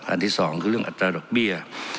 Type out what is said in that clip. อันที่สองคือเรื่องอัตราดอกเบี้ย